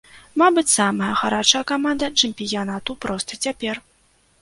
Мабыць, самая гарачая каманда чэмпіянату проста цяпер.